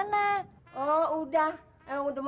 belum pernah lihat juara belum